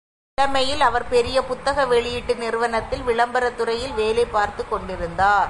இளமையில் அவர், பெரிய புத்தக வெளியீட்டு நிறுவனத்தில் விளம்பரத் துறையில் வேலை பார்த்துக்கொண்டிருந்தார்.